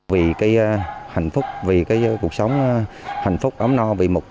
vì cái hạnh phúc vì cái cuộc sống hạnh phúc ấm no